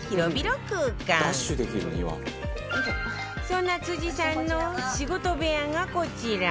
そんな辻さんの仕事部屋がこちら